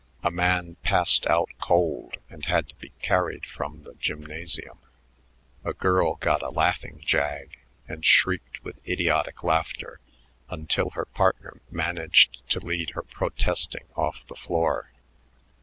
A man "passed out cold" and had to be carried from the gymnasium. A girl got a "laughing jag" and shrieked with idiotic laughter until her partner managed to lead her protesting off the floor.